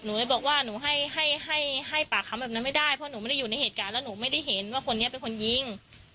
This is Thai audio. เลยบอกว่าหนูให้ให้ปากคำแบบนั้นไม่ได้เพราะหนูไม่ได้อยู่ในเหตุการณ์แล้วหนูไม่ได้เห็นว่าคนนี้เป็นคนยิง